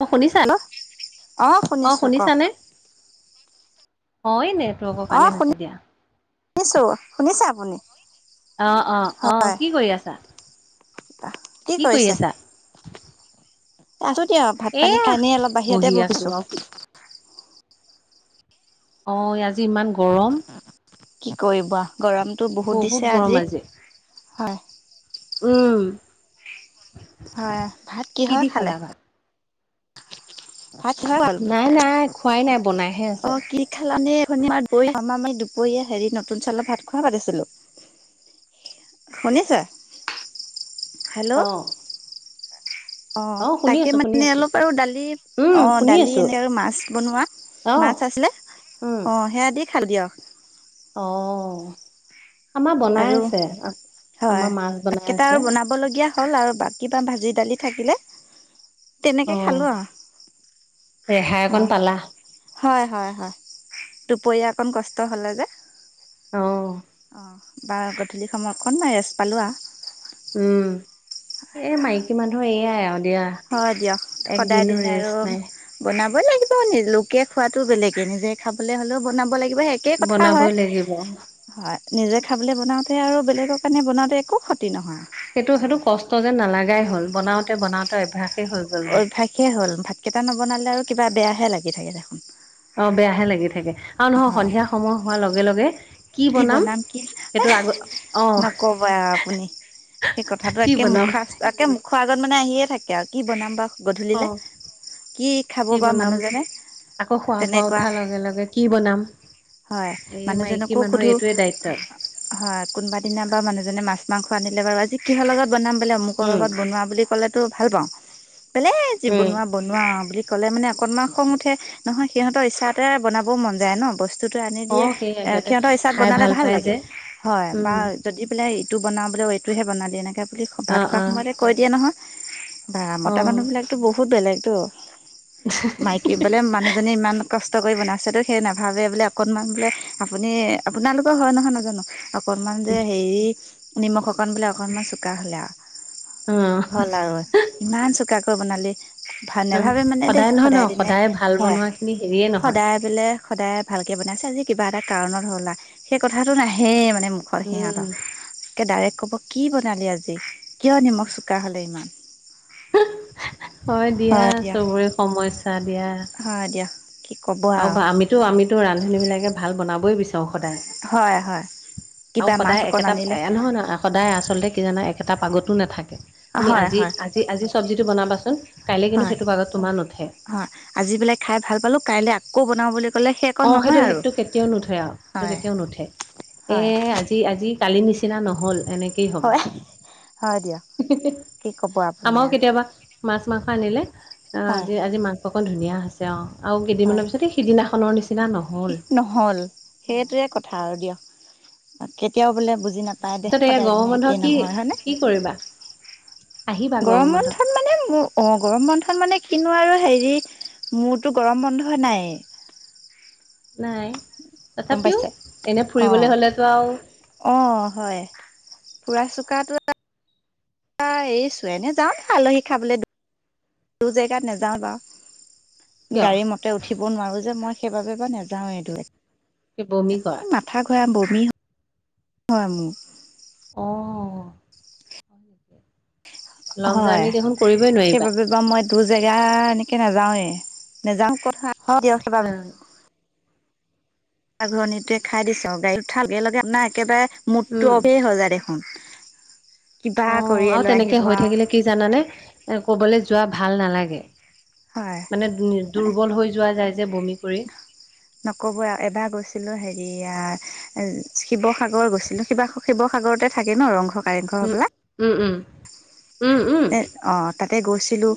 অ শুনিছা? অ শুনিছো কওক শুনিছানে? হয় নেটৱৰ্কৰ অ কাৰণে হৈছে দিয়া। শুনিছো, শুনিছে আপুনি? অ অ অ হয়। কি কৰি আছা কি কৰি কৰিছে? আছা আছো দিয়ক ভাত পানী এয়া খাই এনেই অলপ বাহিৰতে বহি আছো বহিছো। আৰু কি অ, আজি ইমান গৰম। কি কৰিবা গৰমটো বহুত দিছে আজি। হয়। উম। হয়, ভাত কি কিহৰে দি খালা খালে? ভাত ভাত খা ভাল নাই নাই খোৱাই নাই বনাইহে আছে অ কি খালানে এখনিমাৰ ব [unintelligible] আমাৰ মানে দুপৰীয়া হেৰি নতুন চাউলৰ ভাত খোৱা পাতিছিলো শুনিছে? হেল্ল' অ অ শুনি তাকে আছো শুনি মানে আছো অলপ আৰু দালি উম অ শুনি দালি আছো এনে আৰু মাছ বনোৱা মাছ অ মাছ আছিলে, উম সেয়া দি খালোঁ দিয়ক। অ আমাৰ বনাই আৰু আছে। আহ হয় ভাতকেইটা আৰু বনাবলগীয়া হ'ল আৰু কিবা ভাজি দালি থাকিলে। অ তেনেকে খালো ৰেহাই আৰু অকণ অ পালা হয় হয় দুপৰীয়া অকণ কষ্ট হ'লে যে অ অ বাৰ গধূলি সময় অকণমানই ৰেষ্ট পালো আৰু উম এই মাইকী মানুহ এয়াই দিয়া হয় দিয়ক সদায় একদিনো দিন আৰু ৰেষ্ট নাই বনাব ই লাগিব নি লোকে খোৱাটো বেলেগে নিজে খাবলৈ হ'লেও বনাব লাগিবই একেই কথা হয় বনাবই লাগিব। হয় নিজে খাবলৈ বনাওঁতে আৰু বেলেগৰ কাৰণে বনাওঁতে একো সত সেইটো সেইটো কষ্ট যেন নালাগাই হল বনাওতে বনাওতে অভ্যাস। অভ্যয়াসে হ'ল ভাত কেইটা নবনালে আৰু কিবা বেয়াহে লাগি থাকে দেখোন। অ বেয়াহে লাগি থাকে আৰু নহয় হয় সন্ধিয়া সময় হোৱাৰ লগে লগে কি বনাম সেইটো আগ নকব আৰু আপুনি সেই কথাটো কি একে বনাম মুখা একে মুখ আগত মানে আহিয়ে থাকে আৰু কি বনাম বা অ গধূলিলে কি খাব কি বা বনাম মানুহজনে আকৌ শুৱাৰ পৰা তেনেকুৱা উঠাৰ লগে লগে কি বনাম হয় এই মানুহজনক মাইকী আকৌ মানুহৰ সোধো এইটোৱে দায়িত্ব। হয় কোনোবা দিনা বাাৰু মানুহজনে মাছ মাংস আনিলে বাৰু আজি কিহৰ লগত বনাম বোলে অমুকৰ উম লগত বনোৱা বুলি ক'লেতো ভাল পাওঁ বোলে যি উম বনোৱা বনোৱা বুলি। ক'লে মানে অকণমান খং উঠে নহয় সিহঁতৰ ইচ্ছাতে বনাবও মন যায় ন বস্তু। বস্তুটো আনি অ দিয়ে সেইয়াই এ সিহঁতে সিহঁতৰ ইচ্ছাত খাই বনালে ভাল পাই লাগে যে হয় উম বা যদি বোলে। এইটো বনাওঁ বুলি এইটোহে বনালি এনেকে বুলি অ ভাত খোৱাৰ অ সময়তে কৈ দিয়ে নহয়। বা অ মতা মানুহবিলাকতো বহুত বেলেগতো মাইকী বোলে মানুহজনী ইমান। কষ্ট কৰি বনাইছে তো সেই নাভাবে বোলে অকনমান বোলে আপুনি আপোনালোকৰ হয় নহয় নাজানো। অকনমান যে হেৰি নিমখ অকন বোলে অকনমান চোকা হলে আউ। অ হল আৰু ইমান চোকাকৈ বনালি। ভাল অ নেভাবোবে মানে দেই নহয় ন সদায় দিনে ভাল হয় বনোৱা খিনি হেৰিয়ে নহয় সদায় বোলে সদায় ভালকে বনাইছে আজি কিবা এটা কাৰণত হল আ সেই কথাটো নাহেই মানে। মুখৰ উম সিহঁতৰ কে ডাইৰেক্ট ক'ব কি বনালি আজি। কিয় নিমখ চোকা হ'লে ইমান। হয় দিয়া চবৰে সমস্যা দিয়া। অ দিয়া। কি ক'ব আৰু আমিতো আমিতো ৰান্ধনী বিলাকে ভাল বনাবই বিচাৰো। সদায় হয় হয় আৰু কিবা মাছ সদায় অকণ একেটা আনিলে নহয় নহয় সদায় আচলতে কি জানা এটা পাগতো নাথাকে তুমি হয় আজি হয় আজি আজি চব্জিটো বনাবাচোন। কাইলৈ কিন্তু হয় সেইটো পাগত তোমাৰ নুঠে হয় আজি বোলে খাই ভাল পালো কাইলে আকৌ বনাবলে। অ সেইটো সেইটো কেতিয়াও নুঠে আউ সেইটো হয় কেতিয়াও নুঠে এ হয় আজি আজি কালি নিচিনা। নিচিনা নহল এনেকেই হ'ব। হয় হয় দিয়ক কি ক'ব আপুনি আমাৰও আৰু কেতিয়াবা মাছ। মাংস আনিলে অ হয় আজি আজি মাংসকন ধুনীয়া হৈছে আউ আৰু হয় কেইদিনমানৰ পিছতে সিদিনাখনৰ নিচিনা। নহল শেষ নহল অ সেইটোৱে কথা আৰু সেইটো দিয়া কেতিয়াও বোলে বুজি নাপায় দে তাৰপিছত এয়া সদায় গৰমৰ দিনে বন্ধ একেই কি নহয় হয়নে। কি কৰিবা আহিবা গৰমৰ গৰম বন্ধত মানে অ গৰম বন্ধত মানে কিনো আৰু। হেৰি মোৰটো গৰম বন্ধই নাই। নাই গম তথাপিও পাইছে এনে অ ফুৰিবলৈ হলেতো আউ। অ হয় ফুৰা চকাটো এটা। এই চোৱেনে যাও ন আলহী খাবলে দূৰ জেগাত নেযাওঁ বাও। কিয় গাড়ী মতে উঠিব নোৱাৰো যে মই সেইবাবে বা নাযাও এ কি বমি কৰা এইদৰে। মাথা ঘূৰাই বমি হয় মো। অ' লং হয় জাৰ্ণি দেখোন কৰিবই নোৱাৰিবা সেইবাবে বা মই। দূৰ জেগা এনেকে নাযাওৱে নাযাও কত সাহত দি ৰখিবা। মাথা ঘূৰিণিটোৱে খাই দিছে গাড়ীত উঠাৰ লগে লগে আপোনাৰ একেবাৰে উম মুডটো অফেই হৈ যায় দেখোন। হম্। অ আৰু তেনেকে হৈ থাকিলে কি জানানে। ক'বলৈ যোৱা ভাল নালাগে হয় মানে দুৰ্বল হৈ যোৱা যায়। যে বমি কৰি নকব আৰু এবাৰ গৈছিলো হেৰিয়া। শিৱসাগৰ গৈছিলোঁ শিৱ শিৱসাগৰতে থাকে ন ৰংঘৰ। কাৰেংঘৰ উম হ'বলা উম উম। উম অ তাতে গৈছিলো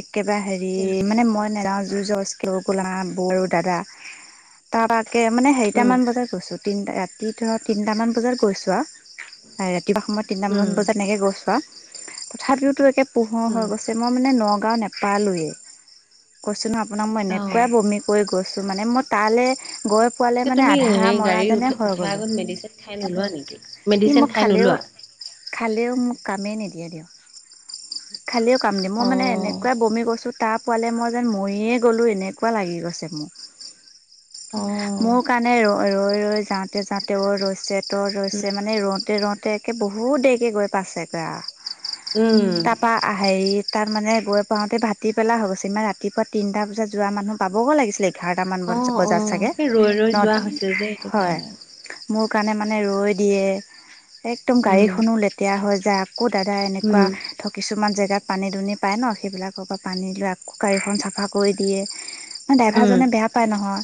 একেবাৰে হেৰি উম মানে মই নেযাও। যুঁ যবছদিকে লৈ গল আমাৰ বৌ আৰু দাদা তাৰ পাকে মানে উম হেৰিটামান বজাত গৈছোঁ। তিনটা ৰাতি ধৰ তিনিটামান বজাত গৈছোঁ আউ। কিবা সময়ত উম তিনটামান বজাত এনেকৈ গৈছো আউ। তথাপিওতো একে পোহৰ উম হৈ গৈছে মই মানে নগাঁও নেপালোৱেই কৈছো নহয়। আপোনাক মানে পুৰা অ' বমি কৰি গৈছোঁ মানে মই তালে। গৈ পোৱালে মানে তুমি আধা হেৰি মৰা গাড়ী উঠ যেনে হৈ উঠাৰ গ'লোঁ। আগত মেডিচিন খাই নোলোৱা নি। ই মোক খালেও খালেও মোক কামেই নিদিয়ে দিয়ক। খালিও কাম দি মই মানে অ', এনেকুৱাই বমি কৰিছোঁ। তাৰ পোৱালে মই যেন ময়ে গ'লোঁ এনেকুৱা লাগি গৈছে মোক। মোৰ অ', কাৰণে ৰ ৰৈ ৰৈ যাওঁতে যাওঁতে ৰৈছে ত। উম, মানে ৰওঁতে ৰওঁতে একে বহুত দেৰিকৈ গৈ পাইছেগৈ আৰু। উম। হেৰি তাত মানে গৈ পাওঁতে ভাটি পেলাই হৈ গৈছে ইমান ৰাতিপুৱা তিনিটা বজাত যোৱা মানুহ পাবগৈ লাগিছিলে কি। বাৰটা মান অ', বজাত অ', চাগে এই ৰৈ ৰৈ ন যোৱা হৈছে যে সেইটো হয়। কাৰণে। মোৰ কাৰণে মানে ৰৈ দিয়ে একদম উম, গাড়ীখনো লেতেৰা হৈ যায়। আকৌ দাদা এনেকুৱা উম, ধ কিছুমান জেগা। যিলাক পানী দুনি পায় ন সেইবিলাকৰ পৰা পানী লৈ আকৌ গাড়ীখন চাফা কৰি দিয়ে। ম উম, ড্ৰাইভাৰজনে বেয়া পায় নহয়।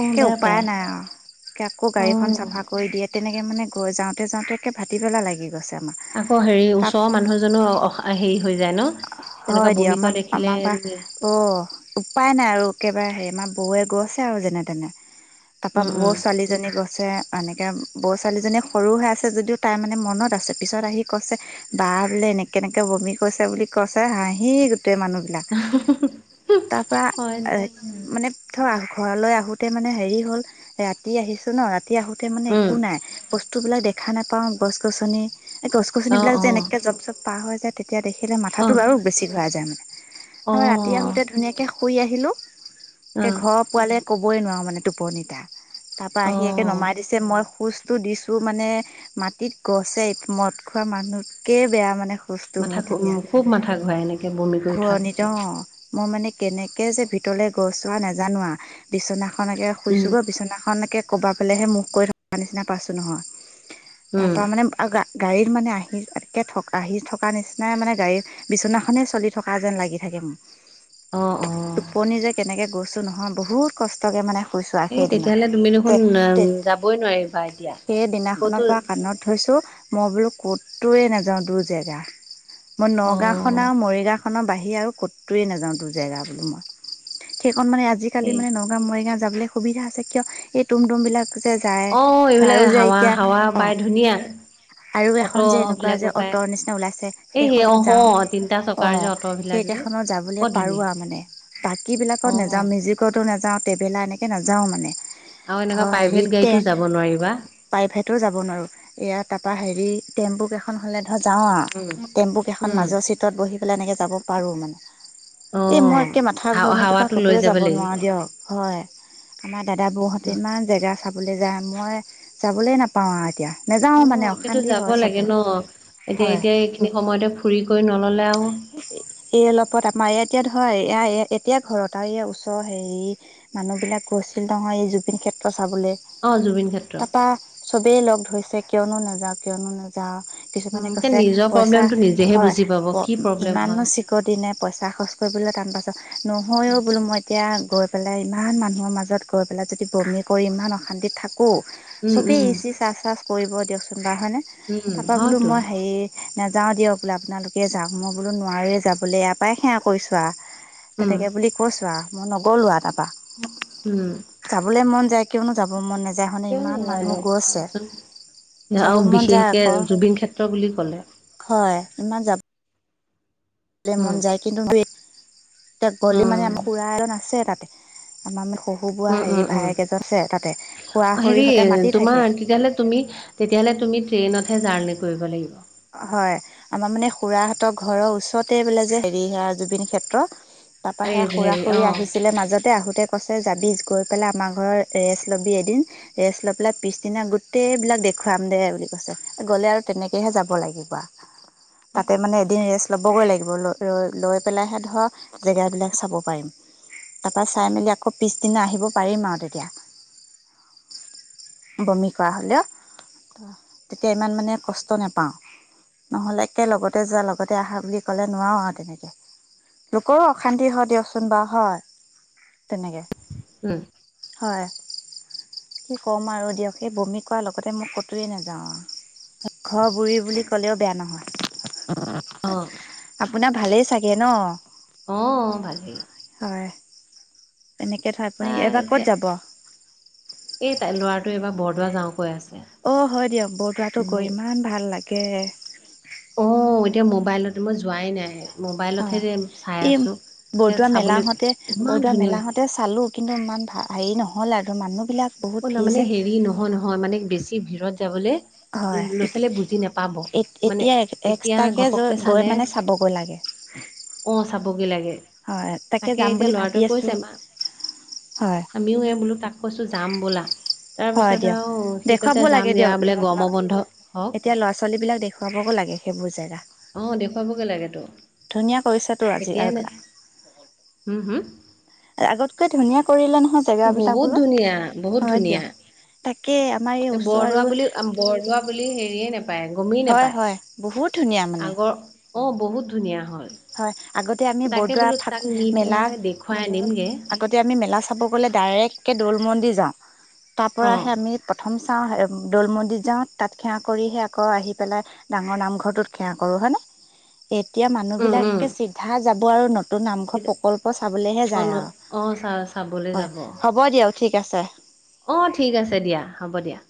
অ', বেয়া উপায় পায় নাই আৰু আকৌ গাড়ীখন অ', চাফা কৰি দিয়ে। তেনেকে মানে গৈ যাওঁতে যাওঁতে একে ভাটি পেলা লাগি গৈছে। আমাৰ আকৌ হেৰি তাত ওচৰৰ মানুহ জনো অ হেৰি। হৈ যায় ন? তেনেকুৱা হয় দিয়া বমি কৰা আমাৰ দেখিলে আমাৰ বা অ উপায় নাই আৰু একেবাৰে হেৰি। আমাৰ বৌৱে গছে আৰু যেনে তেনে তাৰাপা উম, বৌ উম, ছোৱালীজনী গছে। এনেকে ব ছোৱালীজনী সৰু হৈ আছে যদিও তাই মানে মনত আছে পিছত আহি কৈছে বা বোলে। এনেকে এনেকে বমি কৰিৈছে বুলি কৈছে হাঁহি গোটেই মানুহ। তাপা হয় আ দিয়া মানে। ঘৰলৈ আহোতে মানে হেৰি হ'ল ৰাতি আহিছো ন ৰাতি আহোতে মানে উম, একো নাই বস্তু। বসু বিলাক দেখা নোপাও গছ গছ গছ গছন অ', বিলাক যে অ', এনেকে জ জপ পাৰ হয় যায় তেতিয়া দেখিলে ম অ', বাৰু বেছি ঘোৰাই যায় মানে তাৰ ৰাতি অ', আহোতে ধুনীয়াকে শুই আহিলো। এ অ', ঘৰ পোৱালে কবই নোৱাৰো মানে টোপনিতা তাৰ পৰা আহি একে অ', নমাই। দিছে মই খোজটো দিছোঁ মানে মাটিত গছে মদ খোৱা মানুহতকে বেয়া মানে। খোজটো মাথা মোৰ তেতিয়া। খুব মাথা ঘূৰাই এনেকৈ বমি কৰি উঠাৰ ঘূৰণিত পিছত। অ', মই মানে কেনেকে যে ভিতৰলে গইচো নাজানো বিছনাখনকে উম, শুইছো গৈ বিছনাখন। খনকৈ ক'ৰব ফালেসে মুখ কৰি থৰা নিচিনা পাইছোঁ নহয় উম, তাৰপৰা মানে। গাড়ীত মানে আহি একে থ আহি থকা নিচিনাই মানে। গাড়ী বিচনাখনে চলি থকা যেন লাগি থাকে মোক। আহ অ। কেনেকৈ গৈছোঁ নহয় বহুত কষ্টকে মানে। গইছো আৰু এ সেইদিনা তেতিয়াহ'লে তুমি তে দেখোন তে যাবই নোৱাৰিবা এতিয়া ক'তো সেইদিনাখনৰ পৰা কাণত ধৰিছোঁ মই বোলো ক'তয়ে নাযাও দুই জেগা মই নগাও খন অ'। আৰু মৰিগাও খন, নগাঁও বাহিৰে আৰু ক'তয়ে নাযাও দু জেগা বোল মই সেইখন মানে আজিকালি এ মানে নগাও মৰিগাঁও যাবলৈ সুবিধা আছে কিয় এই তুম ডুমবিলাক ধ অ এইবিলাক যে হাৱা এতিয়া হাৱা অ পাই ধুনীয়া আৰু এখন অটো যে এনেকুৱা যে বিলাকো পায় অতৰ নিচিনা ওলাইছে এই সেই সেইখনত অ যাওঁ তিনিটা অ চকাৰ যে অট বিলাক যে সেইকেইখনত যাবলে বৰ পাৰো আৰু ধুনীয়া তাৰমানে বাকী বিলাকত অ না যাওঁ মিউজিকত নাওঁ টেবেলা এনেকে নাযাওঁ মানে আৰু ধ এনেকুৱা প্ৰাইভেট হেৰিতে গাড়ীতো যাব নোৱাৰিবা পাইপহতো যাব নোৱাৰো এয়া তাৰাপা হেৰি টেম্পু কেইখন হলে ধৰ যাওঁ উম আৰু টেম্পু কেইখন উম মাজৰ চিটত বহি পেলাই এনেকে যাব পাৰো। অ এ মই একে মাথা হা ঘৰণিটোৰ পৰা হাৱাটো লৈ ক'তোৱে যাব লাগিব নোৱাৰো দিয়ক হয়। আমাৰ দাদাবোৰহঁতে ন ইমান জেগা চাবলৈ যায় মই চাবলৈ নাপাওঁ আৰু এতিয়া, অ নেযাওঁ মানে এতিয়ো অশান্তি যাব হয় লাগে চবৰে ন এতিয়া হয়। এতিয়া এইখিনি সময়তে ফুৰি কৰি নললে আৰু এই অলপত আমাৰ ই এতিয়া হয় এ এতিয়া ঘৰত আৰু ই ওচৰ হেৰি মানুহ বিলাক গৈছিল নহয় এই জুবিন ক্ষেত্ৰ চাবলে অ জুবিন ক্ষেত্ৰ তাৰাপা চবেই লগ ধৰিছে কিয়নো নাযাও কিয়নো নাযাওঁ উম, কিছুমানে এতিয়া কৈছে নিজৰ পইচা প্ৰব্লেমটো নিজেহে হয় বুজি পাব প কি প্ৰব্লেম ইমানো হয়। চিকটি নে, নাই পইচা খৰচ কৰিবলৈ টান পাইছো নহয়ও বোলো মই এতিয়া গৈ পেলাই ইমান মানুহৰ মাজত গৈ পেলাই যদি বমি কৰি ইমান অশান্তিত থাক কৌ উম, চবেই উম, ইচ ইচ আচ আছ কৰিব দিয়কচোন বাৰ হয়নে উম, তাৰপৰা বোলো হয়তো মই হেৰি নাযাওঁ দিয়ক বোলে আপোনালোকে যাওক মই বোলো নোৱাৰোৱেই যাবলৈ ইয়াৰ পৰাই সেৱা কৰিছোঁ আ উম, তেনেকে বুলি কৈছো আ মই নগলোোৱা তাৰপা উম। যাবলে মন যায় কিয়নো যাব মন নাযায় ম কিয় ইমান মানুহ নাজানো গৈ আছে দিয়াচোন আৰু বিশেষকে জুবিন ক্ষেত্ৰ বুলি কলে ইমান যাব, লে মন উম, যায় কিন্তু এতিয়া গলি মানে উম, আমাৰ খুৰা এল আছে তাতে আমাৰ মানে পহু বোৱা উম, উম, হেৰি উম। ভাইেকেইজছে তাতে খোৱা হেৰি খৰিহতে মাতি তোমাৰ থাকে তেতিয়াহ'লে তুমি তেতিয়াহ'লে তুমি ট্ৰেইনতহে জাৰ্ণি কৰিব লাগিব। হয় আমাৰ মানে খুৰাঁহতৰ ঘৰৰ ওচৰতে বোলে যে হেৰি জুবিন ক্ষেত্ৰ তাৰপ এই সে খুৰা হেৰি খুুৰি অ', আহিছিলে মাজতে আহোতে কছে যাবি গৈ পেলাই আমাৰ ঘৰ ৰেষ্ট ল'বি এদিন ৰেষ্ট লৈ পেলাই পিছদিনা গোটেইবিলাক দেখি দেখুৱাম দে বুলি কৈছে গ'লে আৰু তেনেকেহে যাব লাগিব আ তাতে মানে এদিন ৰেষ্ট ল'বগৈ লাগিব ল লৈ পেলাইহে ধৰক জেগাবিলাক চাব পাৰিম। তাৰপৰা চাই মেলি আকৌ পিছদিনা আহিব পাৰিম আৰু তেতিয়া বমি কৰা হ'লেও তেতিয়া ইমান মানে কষ্ট নাপাওঁ নহ'লে একে লগতে যোৱা লগতে আহা বুলি ক'লে নোৱাৰো আৰু তেনেকে লোকৰো অশান্তি হয় দিয়কচোন বাৰু হয় তেনেকে উম। হয়। কি ক'ম আৰু দিয়ক সেই বমি কৰোৱাৰ লগতে মোক কতোৱে নাযাওঁ আৰু ঘৰ বুৰি বুলি ক'লেও বেয়া নহয়। অঁ, আপোনাৰ ভালেই চাগে ন আহ ভালেই এনেকৈ ধয় আপুনি তাই এইবাৰ এতিয়া ক'ত যাব এই তাই ল'ৰাটো এইবাৰ বৰদোৱা যাওঁ কৈ আছে অ হয় দিয়ক বৰদোৱাটো গৈ ইমান ভাল লাগে। আহ এতিয়া মোবাইলত মই যোৱাই নাই মোবাইলতহে হয়। যে চাই এই আছো এ বৰদোৱা চাবলৈ মেলাহঁতে ইমান বৰদোৱা ধুনীয়া লাগে মেলাহঁতে চালো কিন্তু ইমান ভ হেৰি নহল আৰু মানুহবলাক অ ন মানে হেৰি নহয় নহয় মানে বেছি ভিৰত যাবলে হয় ল'ৰা ছোৱালীয়ে বুজি নাপাব মানে এতিয়া এতিয়া এক্সট্ৰাকে ঘপককে চালে গৈ মানে চাবগৈ লাগে [unintelligible] অ চাবগৈ লাগে হয় তাকে যাম এতিয়া বুলি ভাবি ল'ৰাটোৱে কৈছে আছোঁ মা হয় আমিও এই বোলো তাক কৈছো যাম বোলা হয় দিয়ক দেখুৱাবওঁ লাগে দিয়ক বোলে গৰমৰ বন্ধ হওক এতিয়া ল'ৰা ছোৱালী বিলাক দেখুৱাবো লাগে লাগে সেইবোৰ জেগা অঁ দেখুৱাবগে লাগে তো ধুনীয়া কৰিছেতো আজি এতিয় নে উম হু আগতকৈ ধুনীয়া কৰিলে নহয়। জেগাবিলাক বহুত বোলো ধুনীয়া বহুত হয় ধুনীয়া। দিয়ক। তাকে আমাৰ এই ওচৰ বৰদোৱা আৰু বুলি বৰদোৱা বুলি হেৰিয়ে নাপায়। গমেই হয় নাপায় হয় বহুত ধুনীয়া মানে আগৰ অঁ বহুত ধুনীয়া হয়। হয় আগতে আমি বৰদোৱা থাকো নি মেলা পেলাই দেখুৱাই আনিমগে আগতে আমি মেলা চাব গ'লে। ডাইৰেক্ট কে দল মন্দিৰ যাওঁ তাৰ অ পৰাহে আমি প্ৰথম চাওঁ দৌল মন্দিৰ যাওঁ তাত সেৱা কৰিহে আকৌ আহি পেলাই ডাঙৰ নামঘৰটোত সেৱা কৰো হা নে এতিয়া মানুহ উম উম বিলাকে চিধা যাব আৰু নতুন নামঘৰ তেতিয়া- প্ৰকল্প চাবলে হে অ যায় ন- আউ অ চা চাবলৈ হ'ব দিয়ক ঠিক আছে আহ ঠিক আছে দিয়া হ'ব দিয়া।